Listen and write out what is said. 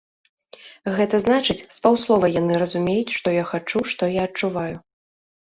Гэта значыць, з паўслова яны разумеюць, што я хачу, што я адчуваю.